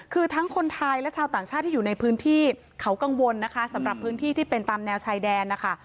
คือทั้งคนไทยและชาวต่างชาติที่อยู่ในพื้นที่เขากังวลนะคะสำหรับพื้นที่ที่เป็นตามแนวชายแดนนะคะ